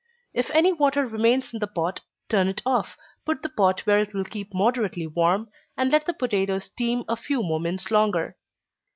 If any water remains in the pot, turn it off, put the pot where it will keep moderately warm, and let the potatoes steam a few moments longer.